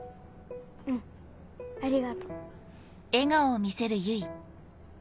うんありがとう。